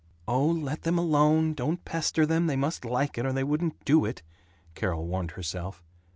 "Oh, let them alone. Don't pester them. They must like it, or they wouldn't do it." Carol warned herself.